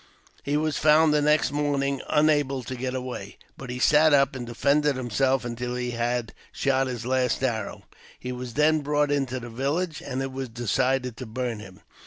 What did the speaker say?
He was found the next morning, unable to get away ; but he sat up and defended himself until he had 268 AUTOBIOGBAPHY OF shot his last arrow. He was then brought into the village, and it was decided to burn him.